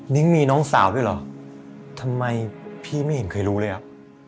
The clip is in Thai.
ิ้งมีน้องสาวด้วยเหรอทำไมพี่ไม่เห็นเคยรู้เลยอ่ะ